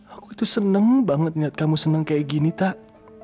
aku tuh seneng banget niat kamu seneng kayak gini tak